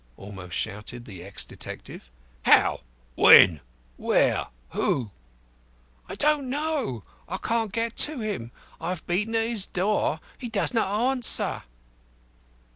almost shouted the ex detective. "How? When? Where? Who?" "I don't know. I can't get to him. I have beaten at his door. He does not answer."